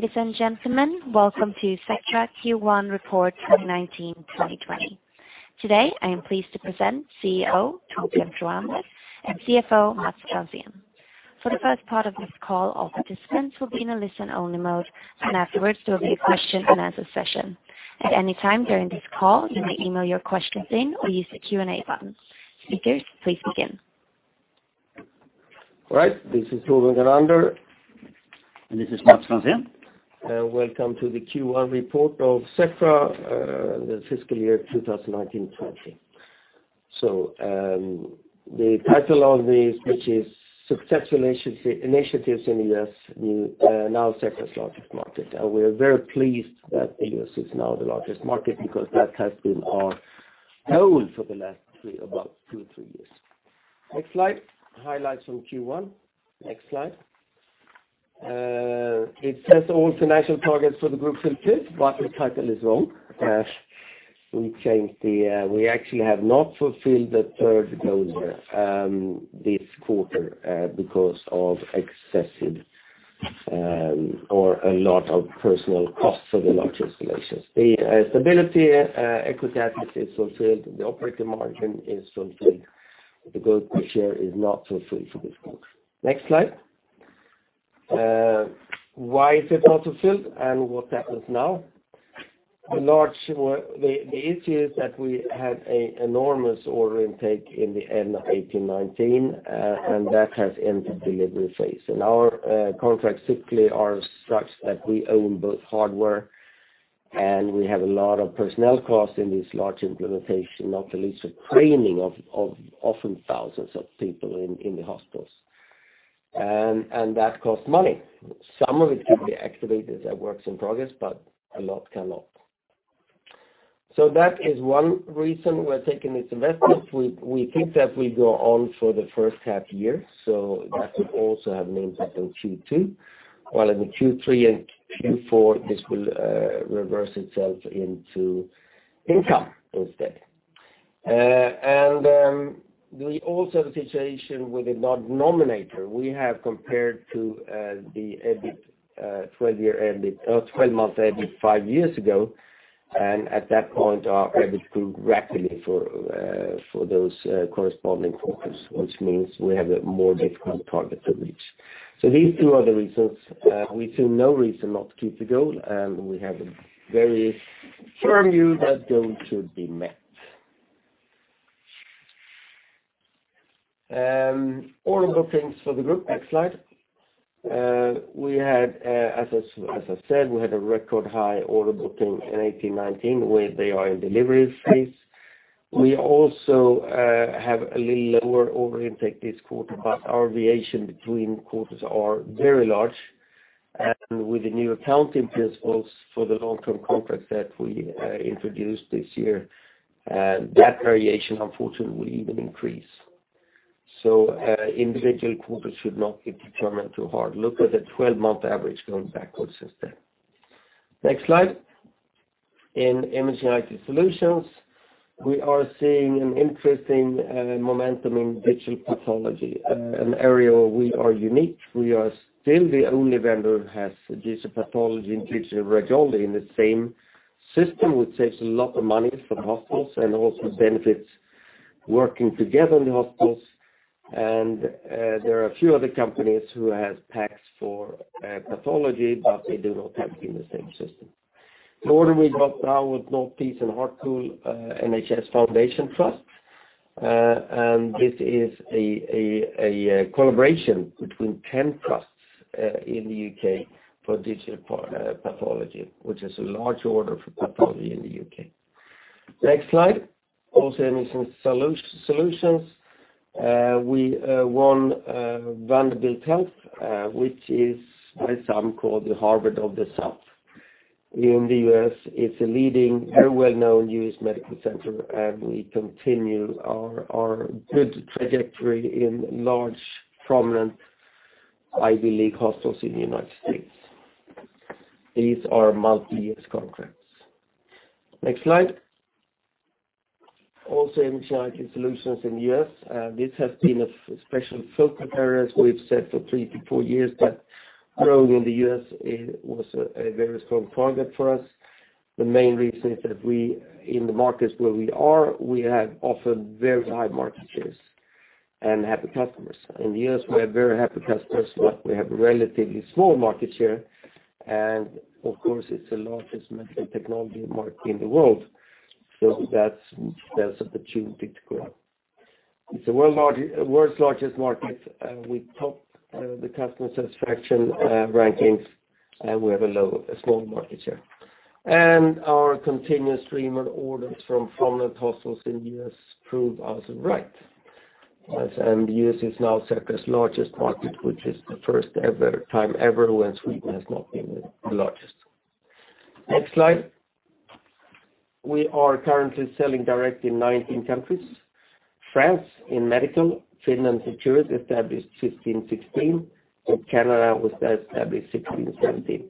Ladies and gentlemen, welcome to Sectra Q1 Report 2019-2020. Today, I am pleased to present CEO Torbjörn Kronander and CFO Mats Franzén. For the first part of this call, all participants will be in a listen-only mode, and afterwards, there will be a question-and-answer session. At any time during this call, you may email your questions in or use the Q&A button. Speakers, please begin. All right. This is Torbjörn Kronander. This is Mats Franzén. Welcome to the Q1 report of Sectra in the fiscal year 2019-2020. So the title of the speech is "Success Initiatives in the U.S., Now Sectra's Largest Market." And we are very pleased that the U.S. is now the largest market because that has been our goal for the last about two or three years. Next slide. Highlights from Q1. Next slide. It says all financial targets for the group fulfilled, but the title is wrong. We actually have not fulfilled the third goal this quarter because of excessive or a lot of personnel costs for the large installations. The stability equity target is fulfilled. The operating margin is fulfilled. The growth per share is not fulfilled for this group. Next slide. Why is it not fulfilled, and what happens now? The issue is that we had an enormous order intake in the end of 2019, and that has entered delivery phase and our contracts typically are such that we own both hardware, and we have a lot of personnel costs in this large implementation, not the least of training of often thousands of people in the hospitals, and that costs money. Some of it can be activated as work in progress, but a lot cannot, so that is one reason we're taking these investments. We think that will go on for the first half year, so that will also have an impact on Q2. While in Q3 and Q4, this will reverse itself into income instead, and we also have a situation with a non-recurring. We have compared to the 12-month EBIT five years ago, and at that point, our EBIT grew rapidly for those corresponding quarters, which means we have a more difficult target to reach, so these two are the reasons. We see no reason not to keep the goal, and we have a very firm view that the goal should be met. Order bookings for the group. Next slide. As I said, we had a record high order booking in 2018-2019, where they are in delivery phase. We also have a little lower order intake this quarter, but our variation between quarters is very large, and with the new accounting principles for the long-term contracts that we introduced this year, that variation, unfortunately, will even increase, so individual quarters should not be determined too hard. Look at the 12-month average going backwards instead. Next slide. In Imaging IT Solutions, we are seeing an interesting momentum in digital pathology, an area where we are unique. We are still the only vendor who has digital pathology and digital radiology in the same system, which saves a lot of money for the hospitals and also benefits working together in the hospitals. And there are a few other companies who have PACS for pathology, but they do not have it in the same system. The order we got now with North Tees and Hartlepool NHS Foundation Trust, and this is a collaboration between 10 trusts in the U.K. for digital pathology, which is a large order for pathology in the U.K. Next slide. Also Imaging Solutions. We won Vanderbilt Health, which is by some called the Harvard of the South. In the U.S., it's a leading, very well-known U.S. medical center, and we continue our good trajectory in large, prominent Ivy League hospitals in the United States. These are multi-year contracts. Next slide. Also, Imaging IT Solutions in the U.S. This has been a special focus area. We've said for three to four years that growing in the U.S. was a very strong target for us. The main reason is that in the markets where we are, we have often very high market shares and happy customers. In the U.S., we have very happy customers, but we have a relatively small market share, and of course, it's the largest medical technology market in the world, so that's an opportunity to grow. It's the world's largest market. We top the customer satisfaction rankings, and we have a small market share. Our continuous stream of orders from prominent hospitals in the U.S. prove us right. The U.S. is now Sectra's largest market, which is the first time ever when Sweden has not been the largest. Next slide. We are currently selling direct in 19 countries: France in medical, Finland in security, established 2015-2016, and Canada was established 2016-2017.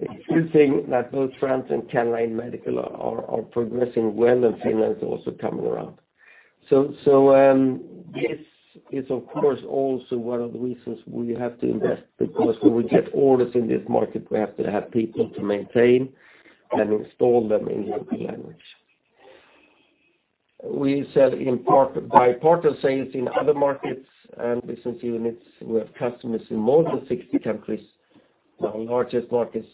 It's interesting that both France and Canada in medical are progressing well, and Finland is also coming around. This is, of course, also one of the reasons we have to invest, because when we get orders in this market, we have to have people to maintain and install them in the language. We sell by partner sales in other markets and business units. We have customers in more than 60 countries. Our largest markets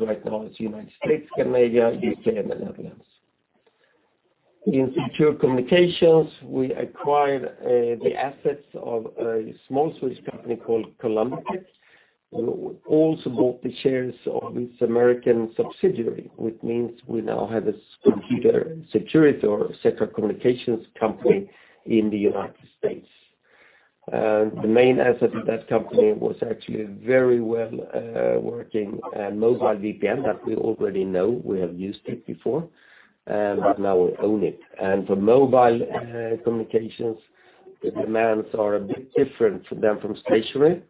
right now are the United States, Canada, U.K., and the Netherlands. In secure communications, we acquired the assets of a small Swedish company called Columbitech. We also bought the shares of its American subsidiary, which means we now have a computer security or Sectra Communications company in the United States. The main asset of that company was actually a very well-working mobile VPN that we already know. We have used it before, but now we own it, and for mobile communications, the demands are a bit different than from stationary,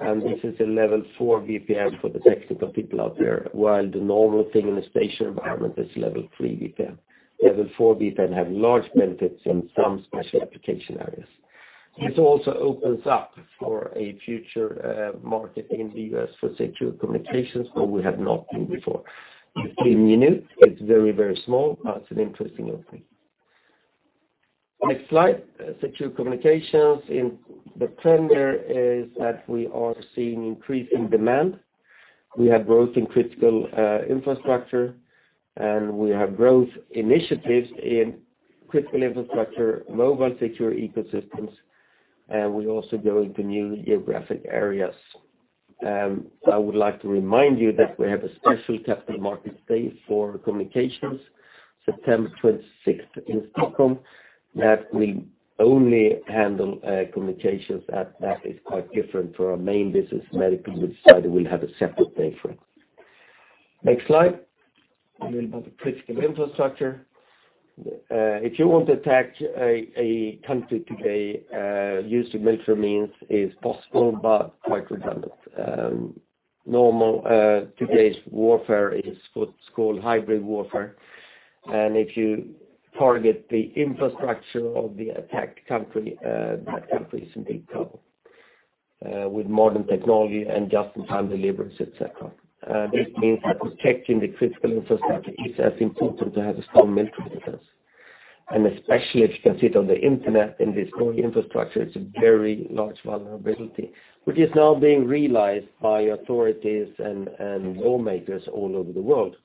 and this is a level 4 VPN for the technical people out there, while the normal thing in a stationary environment is level 3 VPN. Level 4 VPN has large benefits in some special application areas. This also opens up for a future market in the U.S. for secure communications where we have not been before. The thing we knew is very, very small, but it's an interesting opening. Next slide. Secure Communications. The trend there is that we are seeing increasing demand. We have growth in critical infrastructure, and we have growth initiatives in critical infrastructure, mobile secure ecosystems, and we're also going to new geographic areas. I would like to remind you that we have a special Capital Markets Day for Communications, September 26th in Stockholm, that will only handle Communications, as that is quite different from our main business, Medical, which is why we'll have a separate day for it. Next slide. A little bit about the critical infrastructure. If you want to attack a country today, using military means is possible, but quite redundant. Nowadays, warfare is what's called hybrid warfare. And if you target the infrastructure of the attacked country, that country is in big trouble with modern technology and just-in-time deliveries, etc. This means that protecting the critical infrastructure is as important as having strong military defense, and especially if you can sit on the internet and destroy infrastructure, it's a very large vulnerability, which is now being realized by authorities and lawmakers all over the world.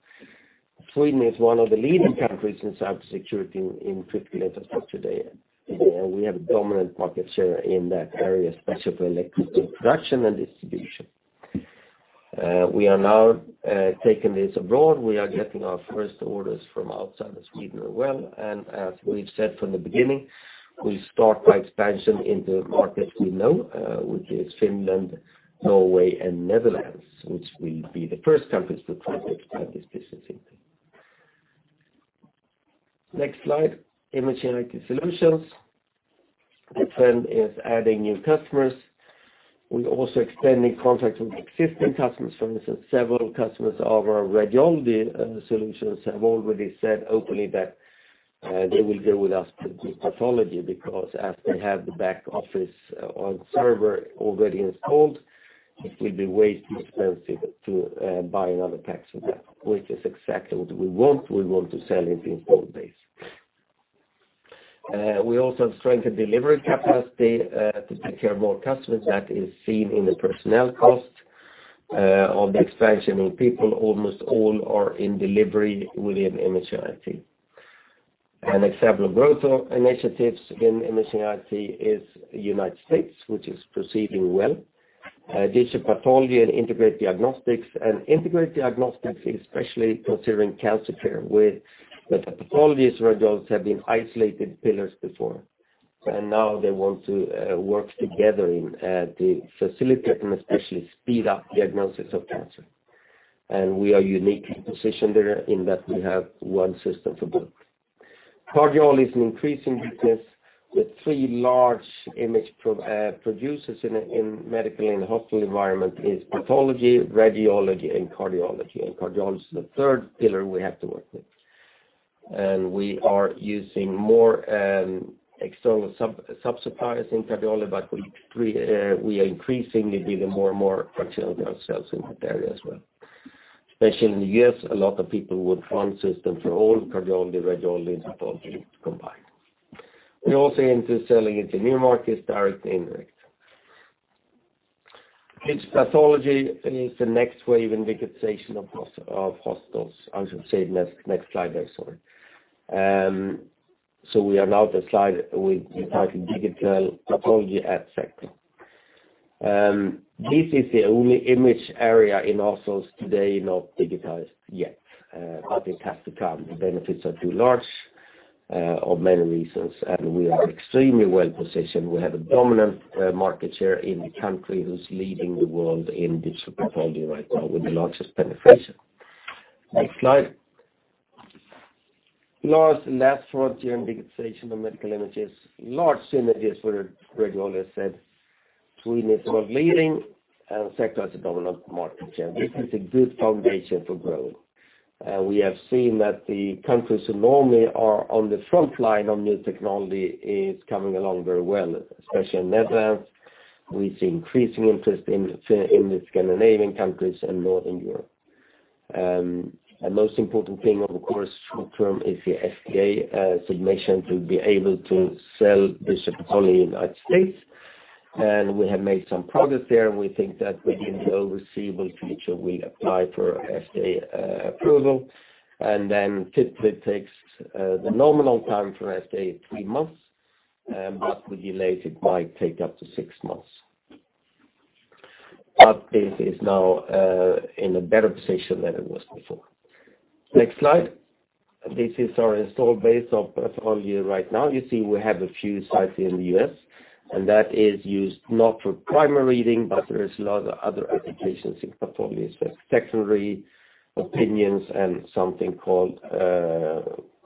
Sweden is one of the leading countries in cybersecurity in critical infrastructure today. We have a dominant market share in that area, especially for electricity production and distribution. We are now taking this abroad. We are getting our first orders from outside of Sweden as well, and as we've said from the beginning, we'll start by expansion into markets we know, which is Finland, Norway, and Netherlands, which will be the first countries to try to expand this business into. Next slide. Imaging IT Solutions. The trend is adding new customers. We're also expanding contracts with existing customers. For instance, several customers of our radiology solutions have already said openly that they will go with us to do pathology because as they have the back office on server already installed, it will be way too expensive to buy another PACS for that, which is exactly what we want. We want to sell into installed base. We also have strengthened delivery capacity to take care of more customers. That is seen in the personnel cost of the expansion in people. Almost all are in delivery within Imaging IT. An example of growth initiatives in Imaging IT is the United States, which is proceeding well. Digital pathology and integrated diagnostics, and integrated diagnostics is especially considering cancer care, where the pathology surgeons have been isolated pillars before, and now they want to work together to facilitate and especially speed up diagnosis of cancer. We are uniquely positioned there in that we have one system for both. Cardiology is an increasing weakness. The three large image producers in medical and hospital environments are pathology, radiology, and cardiology. Cardiology is the third pillar we have to work with. We are using more external sub-suppliers in cardiology, but we are increasingly building more and more functional cells in that area as well. Especially in the U.S., a lot of people want one system for all cardiology, radiology, and pathology combined. We're also into selling into new markets directly and direct. Digital pathology is the next wave in digitization of hospitals. I should say next slide there, sorry. We are now at the slide with the title "Digital Pathology at Sectra." This is the only image area in hospitals today not digitized yet, but it has to come. The benefits are too large for many reasons, and we are extremely well-positioned. We have a dominant market share in the country who's leading the world in digital pathology right now with the largest penetration. Next slide. Large and less frontier in digitization of medical images. Large synergies with radiology, as I said. Sweden is more leading, and Sectra is a dominant market share. This is a good foundation for growth. We have seen that the countries who normally are on the front line of new technology are coming along very well, especially in Netherlands. We see increasing interest in the Scandinavian countries and Northern Europe, and the most important thing, of course, short-term is the FDA submission to be able to sell digital pathology in the United States. We have made some progress there. We think that within the foreseeable future, we'll apply for FDA approval. And then typically, the nominal time for FDA is three months, but with delays, it might take up to six months. But this is now in a better position than it was before. Next slide. This is our installed base of pathology right now. You see we have a few sites in the U.S., and that is used not for primary reading, but there are a lot of other applications in pathology, such as secondary opinions and something called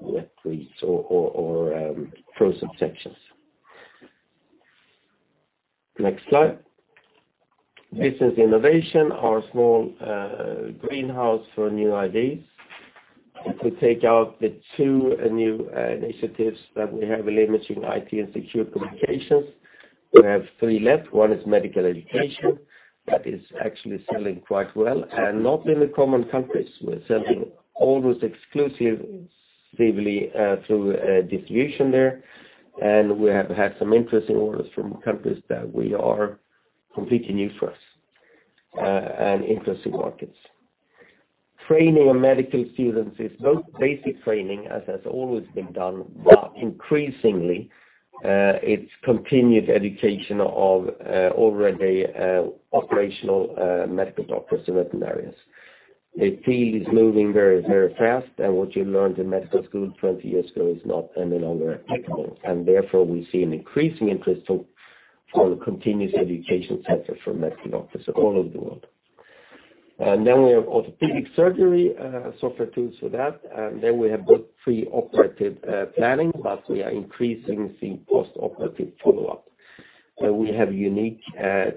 web reads or frozen sections. Next slide. Business Innovation, our small greenhouse for new ideas. It will take out the two new initiatives that we have in Imaging IT and Secure Communications. We have three left. One is Medical Education. That is actually selling quite well. And not in the common countries. We're selling almost exclusively through distribution there. We have had some interesting orders from countries that are completely new to us and interesting markets. Training of medical students is both basic training, as has always been done, but increasingly, it's continued education of already operational medical doctors and veterinarians. The field is moving very, very fast, and what you learned in medical school 20 years ago is not any longer applicable. Therefore, we see an increasing interest for the continuous education center for medical doctors all over the world. Then we have orthopedic surgery, software tools for that. Then we have booked pre-operative planning, but we are increasing the post-operative follow-up. We have a unique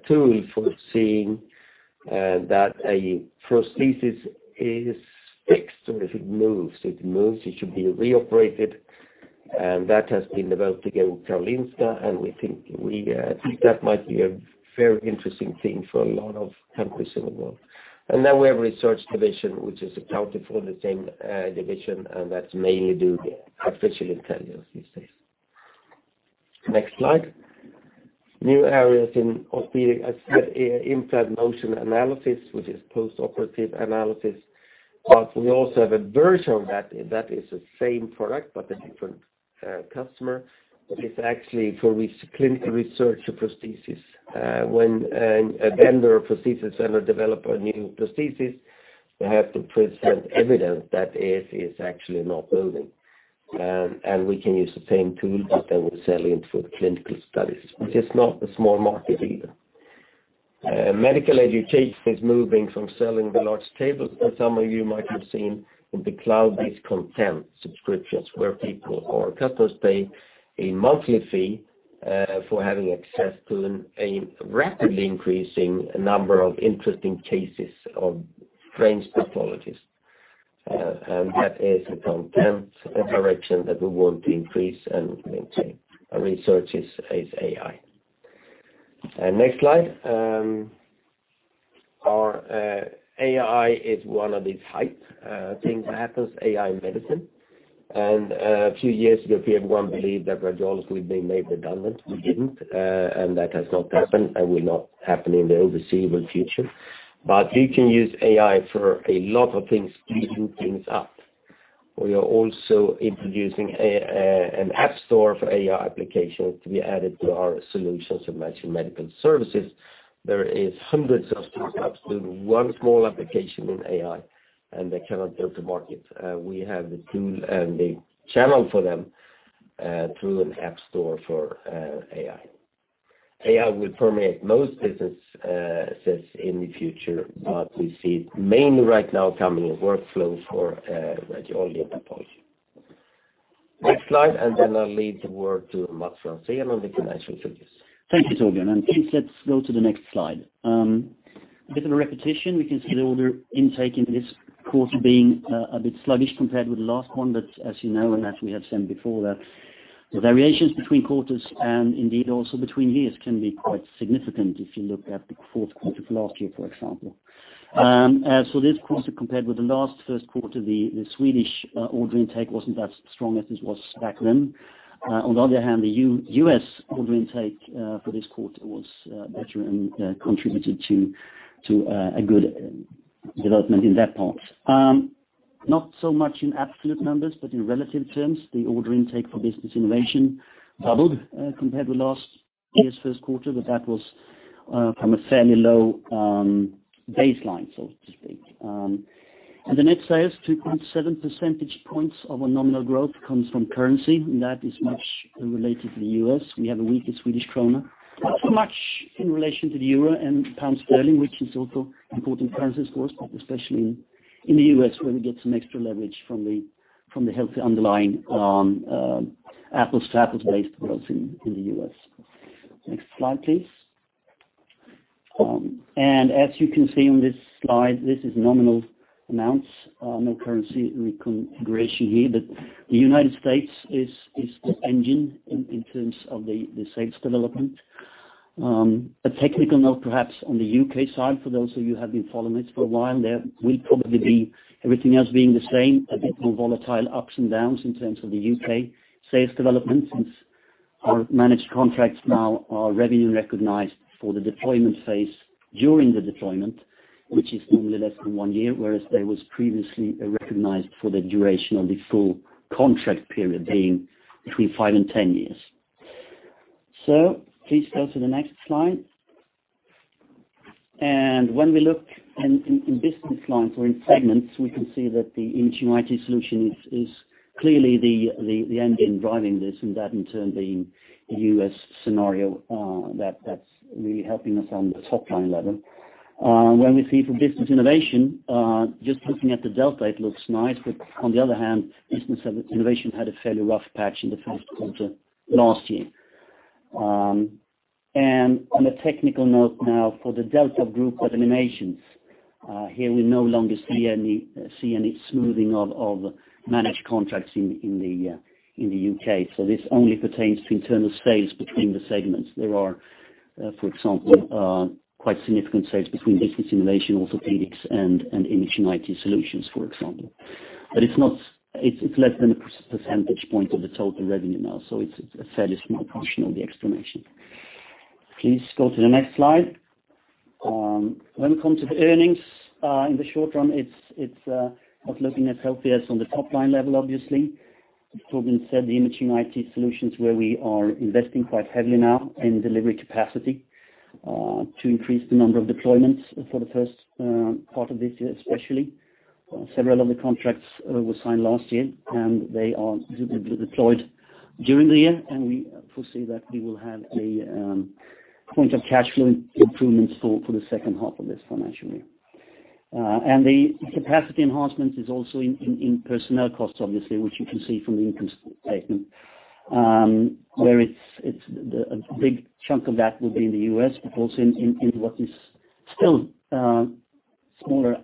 tool for seeing that a prosthesis is fixed, or if it moves, it moves. It should be reoperated. That has been developed again with Karolinska, and we think that might be a very interesting thing for a lot of countries in the world. Then we have Research division, which is accounted for the same division, and that's mainly doing artificial intelligence these days. Next slide. New areas in Orthopedics, we have Implant Movement Analysis, which is postoperative analysis. We also have a version of that. That is the same product, but a different customer. It's actually for clinical research of prosthesis. When a vendor or prosthesis vendor develops a new prosthesis, they have to present evidence that it is actually not moving. We can use the same tool, but then we're selling it for clinical studies. It's just not a small market either. Medical Education is moving from selling the large tables, as some of you might have seen in the cloud-based content subscriptions, where people or customers pay a monthly fee for having access to a rapidly increasing number of interesting cases of strange pathologies, and that is a content direction that we want to increase and maintain. Our research is AI. Next slide. Our AI is one of these hype things that happens, AI medicine, and a few years ago, people wanted to believe that radiology would be made redundant. We didn't, and that has not happened and will not happen in the foreseeable future, but you can use AI for a lot of things, speeding things up. We are also introducing an app store for AI applications to be added to our solutions of managing medical services. There are hundreds of startups doing one small application in AI, and they cannot go to market. We have the tool and the channel for them through an app store for AI. AI will permeate most businesses in the future, but we see it mainly right now coming in workflows for radiology and pathology. Next slide, and then I'll leave the word to Mats Franzén on the financial figures. Thank you, Torbjörn, and please, let's go to the next slide. A bit of a repetition. We can see the order intake in this quarter being a bit sluggish compared with the last one. But as you know, and as we have said before, the variations between quarters and indeed also between years can be quite significant if you look at the fourth quarter of last year, for example. So this quarter, compared with the last first quarter, the Swedish order intake wasn't as strong as it was back then. On the other hand, the U.S. order intake for this quarter was better and contributed to a good development in that part. Not so much in absolute numbers, but in relative terms, the order intake for Business Innovation doubled compared with last year's first quarter, but that was from a fairly low baseline, so to speak. And the net sales, 2.7 percentage points of a nominal growth, comes from currency. That is much related to the U.S. We have a weak Swedish krona. Not so much in relation to the euro and pound sterling, which is also important currencies for us, but especially in the U.S., where we get some extra leverage from the healthy underlying apples-to-apples-based growth in the U.S. Next slide, please. As you can see on this slide, this is nominal amounts. No currency reconfiguration here, but the United States is the engine in terms of the sales development. A technical note, perhaps, on the U.K. side, for those of you who have been following this for a while, there will probably be, everything else being the same, a bit more volatile ups and downs in terms of the U.K. sales development, since our managed contracts now are revenue recognized for the deployment phase during the deployment, which is normally less than one year, whereas they were previously recognized for the duration of the full contract period, being between five and 10 years, so please go to the next slide. When we look in business lines or in segments, we can see that the Imaging IT Solutions is clearly the engine driving this, and that in turn being the U.S. scenario that's really helping us on the top-line level. When we see for Business Innovation, just looking at the delta, it looks nice, but on the other hand, Business Innovation had a fairly rough patch in the first quarter last year. And on a technical note now, for the delta group eliminations, here we no longer see any smoothing of managed contracts in the U.K. So this only pertains to internal sales between the segments. There are, for example, quite significant sales between Business Innovation, orthopedics, and Imaging IT Solutions, for example. But it's less than a percentage point of the total revenue now, so it's a fairly small portion of the explanation. Please go to the next slide. When we come to the earnings in the short run, it's not looking as healthy as on the top-line level, obviously. As Torbjörn said, the Imaging IT Solutions where we are investing quite heavily now in delivery capacity to increase the number of deployments for the first part of this year, especially. Several of the contracts were signed last year, and they are deployed during the year. And we foresee that we will have a point of cash flow improvements for the second half of this financial year. And the capacity enhancement is also in personnel costs, obviously, which you can see from the income statement, where a big chunk of that will be in the U.S., but also in what is still smaller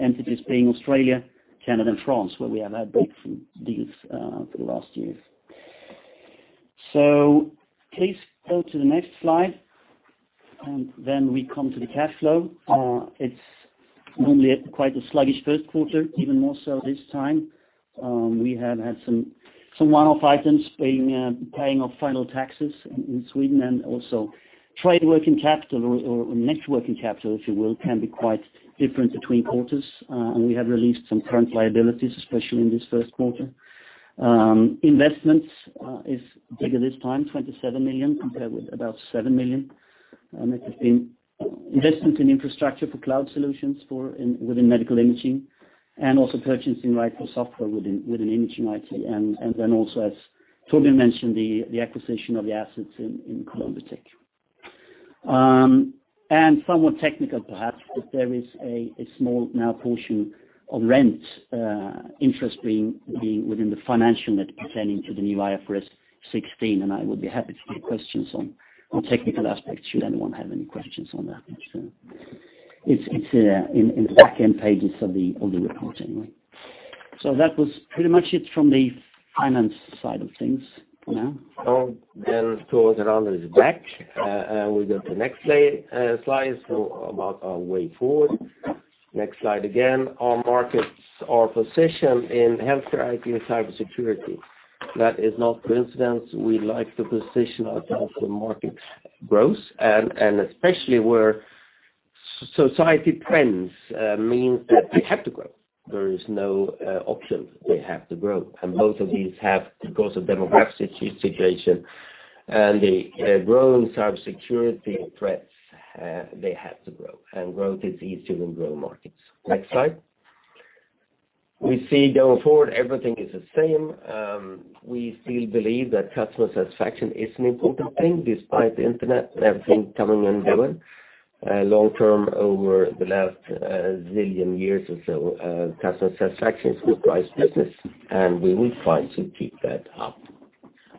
entities, being Australia, Canada, and France, where we have had big deals for the last years. So please go to the next slide. And then we come to the cash flow. It's normally quite a sluggish first quarter, even more so this time. We have had some one-off items paying off final taxes in Sweden, and also trade working capital or net working capital, if you will, can be quite different between quarters. And we have released some current liabilities, especially in this first quarter. Investments is bigger this time, 27 million, compared with about 7 million. It has been investment in infrastructure for cloud solutions within Medical Imaging and also purchasing rights for software within Imaging IT. And then also, as Torbjörn mentioned, the acquisition of the assets in Columbitech. And somewhat technical, perhaps, that there is a small non-cash portion of rent interest being within the financial net pertaining to the new IFRS 16. I would be happy to take questions on technical aspects should anyone have any questions on that. It's in the back-end pages of the report anyway. That was pretty much it from the finance side of things for now. Torbjörn is back, and we go to the next slide about our way forward. Next slide again. Our markets are positioned in healthcare, IT, and cybersecurity. That is not coincidence. We like to position ourselves for market growth, and especially where society trends means that they have to grow. There is no option. They have to grow. Both of these have to go to demographic situation. The growing cybersecurity threats, they have to grow. Growth is easier in growing markets. Next slide. We see going forward, everything is the same. We still believe that customer satisfaction is an important thing, despite the internet and everything coming and going. Long-term, over the last zillion years or so, customer satisfaction is the price of business, and we will try to keep that up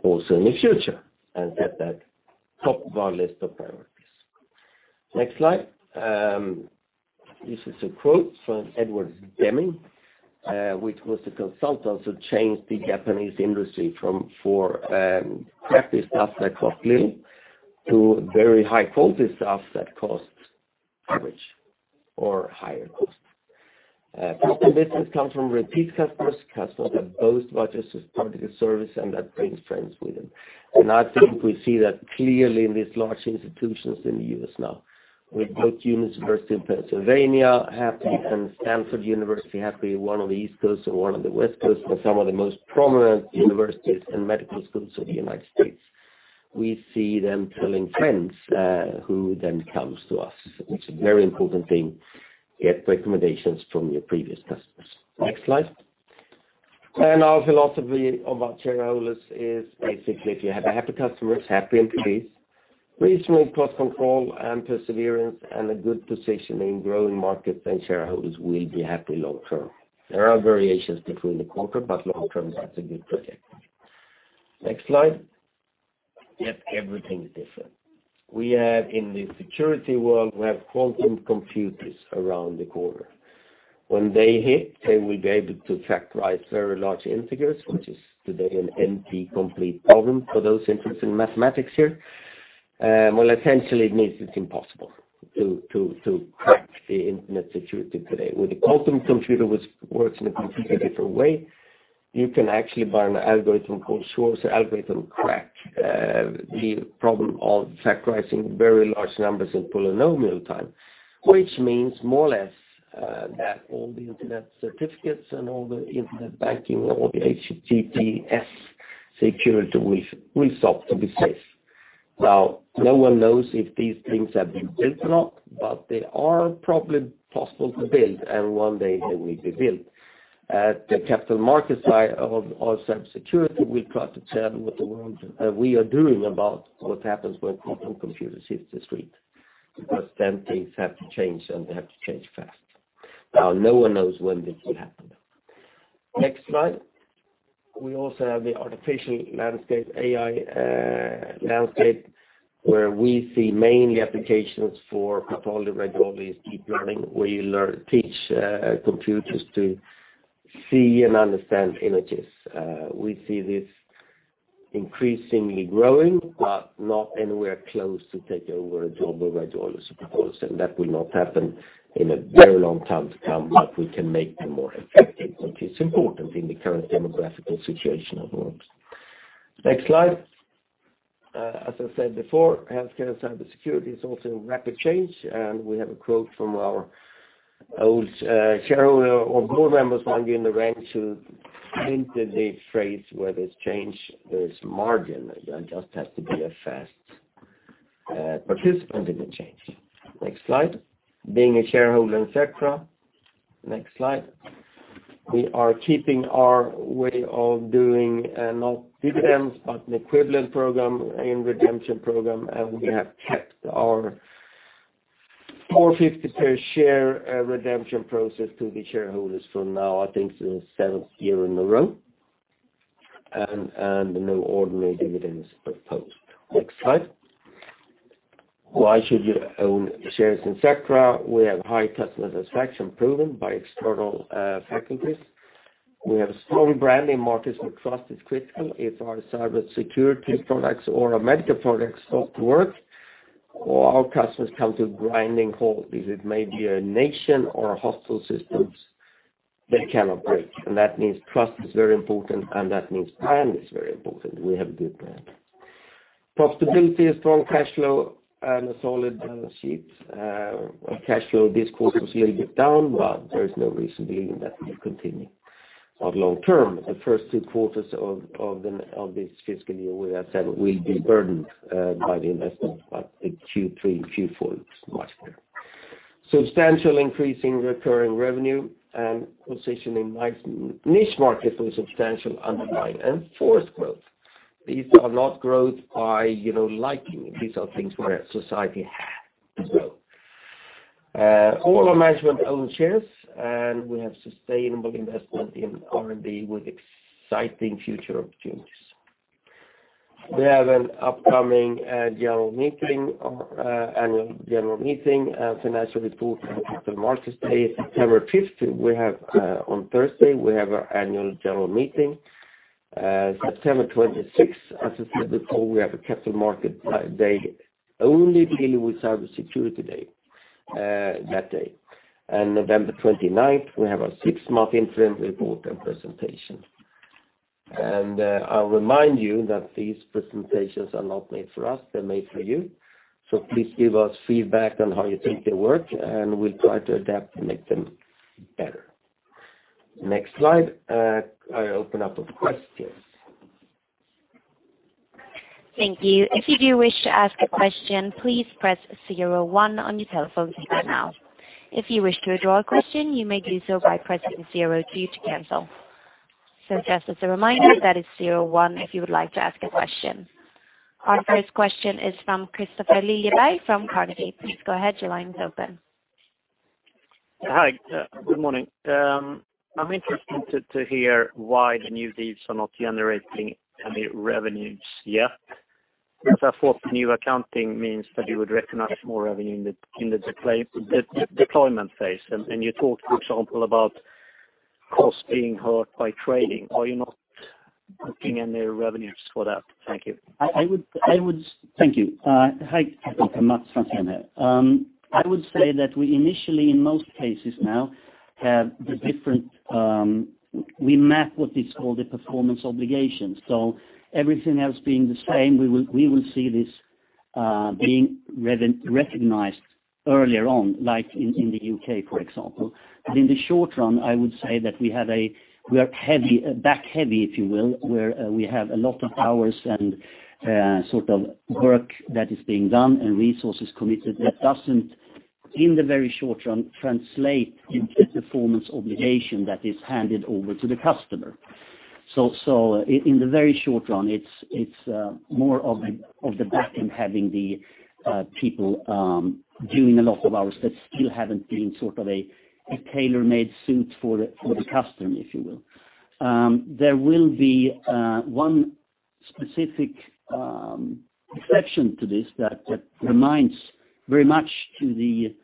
also in the future and set that top of our list of priorities. Next slide. This is a quote from Edwards Deming, which was the consultant who changed the Japanese industry from crappy stuff that cost little to very high-quality stuff that cost average or higher cost. Profitable business comes from repeat customers, customers that boast about their supportive service, and that brings friends with them, and I think we see that clearly in these large institutions in the U.S. now. We've got University of Pennsylvania happy and Stanford University happy, one on the East Coast and one on the West Coast, and some of the most prominent universities and medical schools of the United States. We see them telling friends who then comes to us. It's a very important thing to get recommendations from your previous customers. Next slide. Our philosophy for our shareholders is basically if you have happy customers, happy employees, reasonable cost control and perseverance, and a good position in growing markets, then shareholders will be happy long-term. There are variations between the quarter, but long-term, that's a good project. Next slide. Yet everything is different. We have in the security world, we have quantum computers around the corner. When they hit, they will be able to factorize very large integers, which is today an NP-complete problem for those interested in mathematics here. Essentially, it means it's impossible to crack the internet security today. With the quantum computer, which works in a completely different way, you can actually buy an algorithm called Shor's algorithm crack, the problem of factorizing very large numbers in polynomial time, which means more or less that all the internet certificates and all the internet banking and all the HTTPS security will stop to be safe. Now, no one knows if these things have been built or not, but they are probably possible to build, and one day they will be built. The capital markets side of cybersecurity will try to tell what we are doing about what happens when quantum computers hit the street, because then things have to change, and they have to change fast. Now, no one knows when this will happen. Next slide. We also have the AI landscape, where we see mainly applications for Python, radiology, and deep learning, where you teach computers to see and understand images. We see this increasingly growing, but not anywhere close to take over the job of a radiologist's role, and that will not happen in a very long time to come, but we can make them more effective, which is important in the current demographic situation of the world. Next slide. As I said before, healthcare and cybersecurity is also in rapid change, and we have a quote from our old shareholder or board member, so I'm going to hint at the phrase where there's change, there's margin. I just have to be a fast participant in the change. Next slide. Being a shareholder, etc. Next slide. We are keeping our way of doing not dividends, but an equivalent program in redemption program, and we have kept our 4.50 per share redemption process to the shareholders from now, I think, to the seventh year in a row, and no ordinary dividends proposed. Next slide. Why should you own shares, etc.? We have high customer satisfaction proven by external faculties. We have a strong branding, marketing trust is critical. If our cybersecurity products or our medical products don't work, or our customers come to a grinding halt, if it may be a nation or hostile systems, they cannot break. And that means trust is very important, and that means plan is very important. We have a good plan. Profitability is strong cash flow and a solid balance sheet. Cash flow this quarter was a little bit down, but there is no reason to believe that we will continue for long-term. The first two quarters of this fiscal year, we have said, will be burdened by the investment, but the Q3 and Q4 look much better. Substantial increase in recurring revenue and position in niche markets with substantial underlying and forced growth. These are not growth by liking. These are things where society has to grow. All our management own shares, and we have sustainable investment in R&D with exciting future opportunities. We have an upcoming general meeting, annual general meeting, financial report, and Capital Markets Day is September 5th. On Thursday, we have our annual general meeting. September 26th, as I said before, we have a Capital Market Day only dealing with Cybersecurity Day that day. November 29th, we have our six-month interim report and presentation. I'll remind you that these presentations are not made for us. They're made for you. So please give us feedback on how you think they work, and we'll try to adapt and make them better. Next slide. I open up for questions. Thank you. If you do wish to ask a question, please press zero one on your telephone speaker now. If you wish to withdraw a question, you may do so by pressing zero two to cancel. So just as a reminder, that is zero one if you would like to ask a question. Our first question is from Kristofer Liljeberg from Carnegie. Please go ahead. Your line is open. Hi. Good morning. I'm interested to hear why the new deals are not generating any revenues yet? I thought new accounting means that you would recognize more revenue in the deployment phase. And you talked, for example, about cost being hurt by trading. Are you not looking at any revenues for that? Thank you. Thank you. Hi. I'm Mats Franzén here. I would say that we initially, in most cases now, have the different we map what is called the performance obligations. So everything else being the same, we will see this being recognized earlier on, like in the U.K., for example. But in the short run, I would say that we have a back heavy, if you will, where we have a lot of hours and sort of work that is being done and resources committed that doesn't, in the very short run, translate into performance obligation that is handed over to the customer. So in the very short run, it's more of the back end having the people doing a lot of hours that still haven't been sort of a tailor-made suit for the customer, if you will. There will be one specific exception to this that reminds very much to the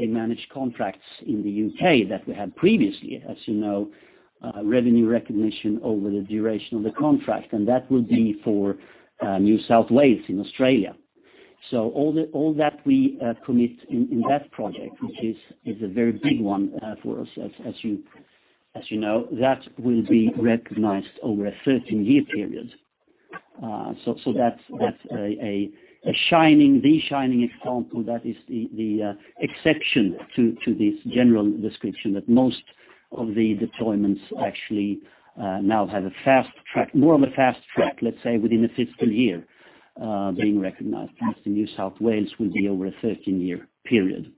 managed contracts in the U.K. that we had previously, as you know, revenue recognition over the duration of the contract. And that will be for New South Wales in Australia. So all that we commit in that project, which is a very big one for us, as you know, that will be recognized over a 13-year period. So that's the shining example that is the exception to this general description that most of the deployments actually now have a fast track, more of a fast track, let's say, within a fiscal year being recognized. New South Wales will be over a 13-year period.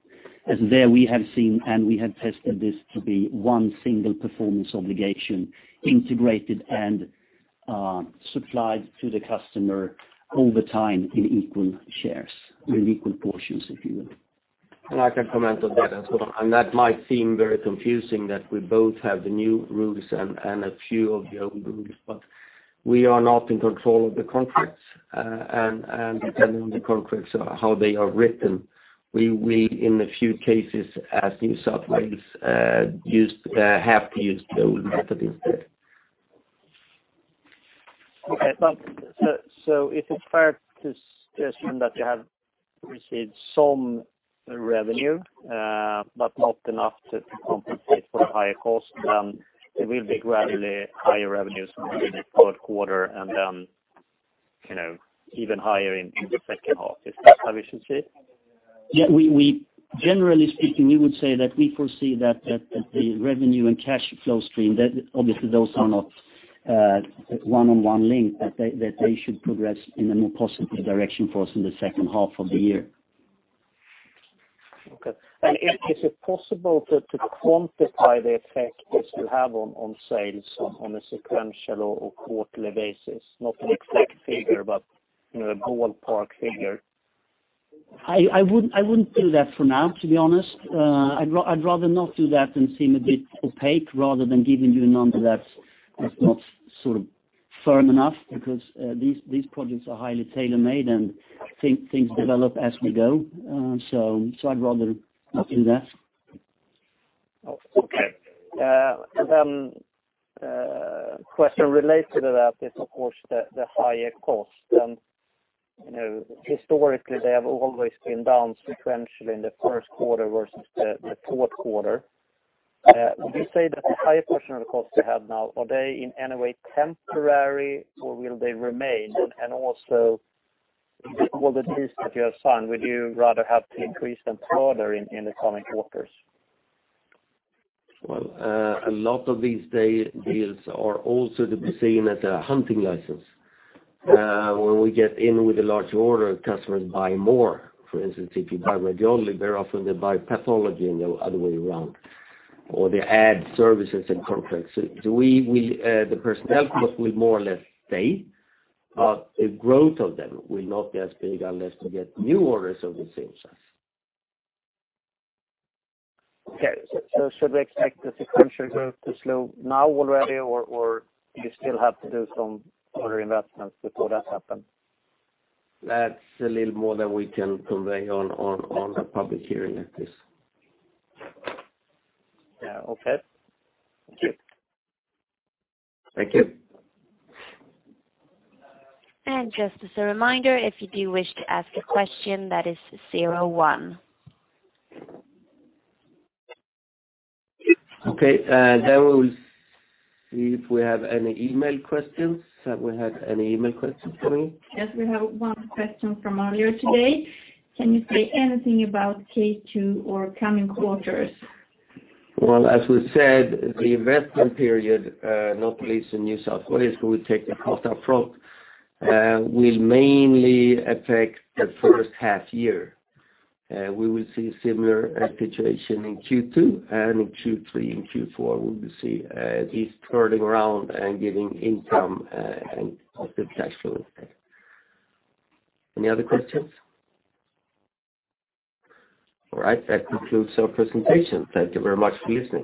And there we have seen, and we have tested this to be one single performance obligation integrated and supplied to the customer over time in equal shares, in equal portions, if you will. And I can comment on that as well. And that might seem very confusing that we both have the new rules and a few of the old rules, but we are not in control of the contracts. And depending on the contracts, how they are written, we will, in a few cases, as New South Wales, have to use the old method instead. Okay. So if it's fair to suggest from that you have received some revenue, but not enough to compensate for the higher cost, then there will be gradually higher revenues in the third quarter and then even higher in the second half. Is that how you should see it? Yeah. Generally speaking, we would say that we foresee that the revenue and cash flow stream, obviously, those are not one-on-one linked, that they should progress in a more positive direction for us in the second half of the year. Okay. And is it possible to quantify the effect this will have on sales on a sequential or quarterly basis? Not an exact figure, but a ballpark figure. I wouldn't do that for now, to be honest. I'd rather not do that and seem a bit opaque rather than giving you a number that's not sort of firm enough, because these projects are highly tailor-made and things develop as we go. So I'd rather not do that. Okay. And then a question related to that is, of course, the higher cost. Historically, they have always been down sequentially in the first quarter versus the fourth quarter. Would you say that the higher portion of the costs you have now are they in any way temporary or will they remain? Also, with all the deals that you have signed, would you rather have to increase them further in the coming quarters? A lot of these deals are also to be seen as a hunting license. When we get in with a large order, customers buy more. For instance, if you buy radiology, very often they buy pathology and the other way around, or they add services and contracts. The personnel cost will more or less stay, but the growth of them will not be as big unless we get new orders of the same size. Okay. So should we expect the sequential growth to slow now already, or do you still have to do some further investments before that happens? That's a little more than we can convey on a public hearing like this. Yeah. Okay. Thank you. Thank you. And just as a reminder, if you do wish to ask a question, that is zero one. Okay. Then we'll see if we have any email questions. Have we had any email questions for me? Yes. We have one question from earlier today. Can you say anything about Q2 or coming quarters? Well, as we said, the investment period, not least in New South Wales, where we take the cost upfront, will mainly affect the first half year. We will see a similar situation in Q2, and in Q3 and Q4, we will see this turning around and giving income and positive cash flow instead. Any other questions? All right. That concludes our presentation. Thank you very much for listening.